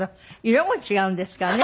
色も違うんですからね。